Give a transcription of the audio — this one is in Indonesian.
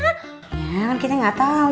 ya kan kita gak tau